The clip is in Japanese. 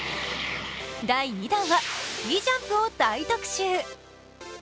第２弾はスキージャンプを大特集。